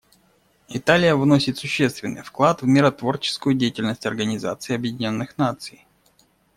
Италия вносит существенный вклад в миротворческую деятельность Организации Объединенных Наций.